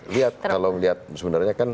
lihat kalau melihat sebenarnya kan